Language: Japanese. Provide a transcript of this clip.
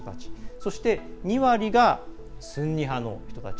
そして、２割がスンニ派の人たち。